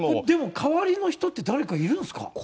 でも代わりの人って誰かいるんですか？